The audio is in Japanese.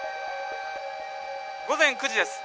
午前９時です